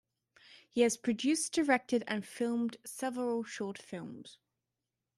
He has produced, directed, and filmed several short films.